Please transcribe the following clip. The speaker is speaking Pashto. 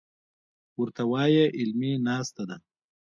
ورته وايه علمي ناسته ده.